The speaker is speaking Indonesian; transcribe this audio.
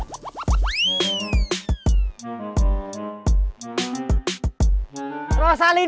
entar michigan juga gak bisa ini